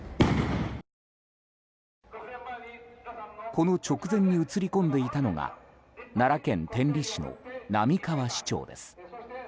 この直前に映り込んでいたのが奈良県天理市の並河市長です。